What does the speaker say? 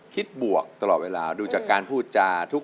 คิดบวกตลอดเวลาดูจากการพูดจา